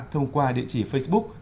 thông qua địa chỉ facebook